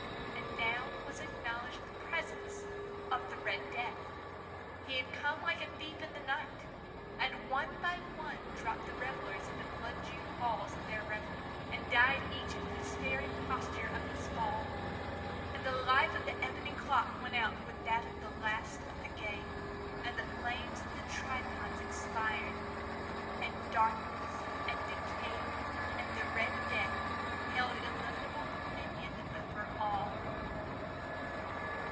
And now was acknowledged the presence of the Red Death. He had come like a thief in the night. And one by one dropped the revellers in the blood bedewed halls of their revel, and died each in the despairing posture of his fall. And the life of the ebony clock went out with that of the last of the gay. And the flames of the tripods expired. And Darkness and Decay and the Red Death held illimitable dominion over all.